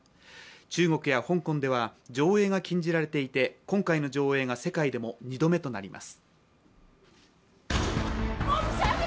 中国や香港では上映が禁じられていて、今回の上映が世界でも２度目となります。